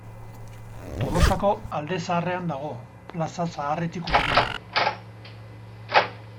Tolosako Alde Zaharrean dago, Plaza Zaharretik hurbil.